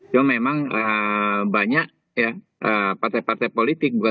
tapi memang banyak partai partai politik